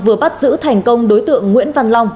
vừa bắt giữ thành công đối tượng nguyễn văn long